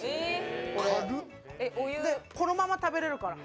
このまま食べれるから。